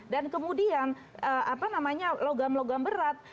dan kemudian apa namanya logam logam berat